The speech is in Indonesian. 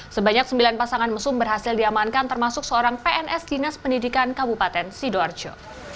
sebanyak sembilan pasangan mesum berhasil diamankan termasuk seorang pns dinas pendidikan kabupaten sidoarjo